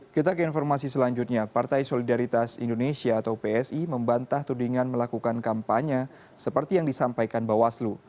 kita ke informasi selanjutnya partai solidaritas indonesia atau psi membantah tudingan melakukan kampanye seperti yang disampaikan bawaslu